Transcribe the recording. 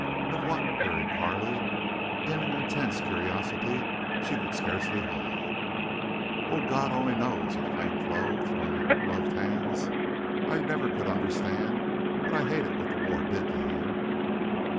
"Of what?" queried Carley, in an intense curiosity she could scarcely hide. "Oh, God only knows!" exclaimed Flo, throwing up her gloved hands. "I never could understand. But I hated what the war did to him."